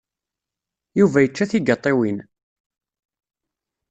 Yuba yečča tigaṭiwin.